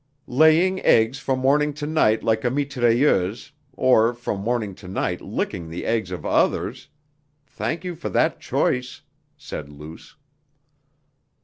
"Laying eggs from morning to night like a mitrailleuse or from morning to night licking the eggs of others.... Thank you for that choice!" said Luce.